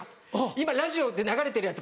今ラジオで流れてるやつ。